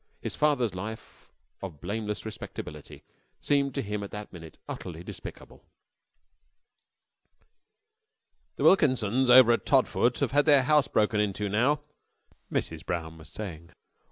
His father's life of blameless respectability seemed to him at that minute utterly despicable. "The Wilkinsons over at Todfoot have had their house broken into now," Mrs. Brown was saying.